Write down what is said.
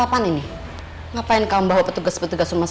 jadi nanti kamu sediakan nuances ambiguama seperti tentang perubatan